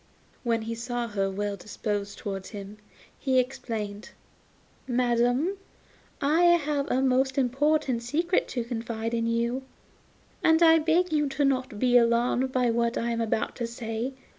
When he saw her well disposed towards him, he exclaimed: 'Madam, I have a most important secret to confide to you, and I beg you not to be alarmed by what I am about to say.